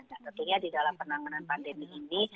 nah tentunya di dalam penanganan pandemi ini